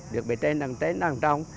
được bị tên đảng trong